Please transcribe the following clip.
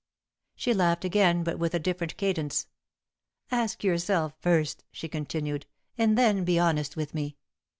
She laughed again, but with a different cadence. "Ask yourself first," she continued, "and then be honest with me.